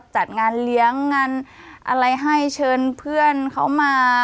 จัดงานเลี้ยงงานอะไรให้เชิญเพื่อนเขามา